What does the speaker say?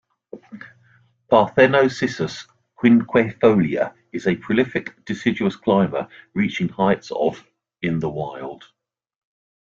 "Parthenocissus quinquefolia" is a prolific deciduous climber, reaching heights of in the wild.